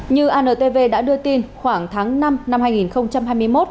như antv đã đưa tin khoảng tháng năm năm hai nghìn hai mươi một